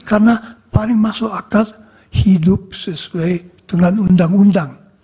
karena paling masuk akal hidup sesuai dengan undang undang